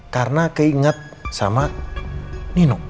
karena keinget sama nino